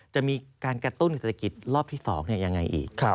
จะมีการกระตุ้นเศรษฐกิจรอบที่๒ยังไงอีก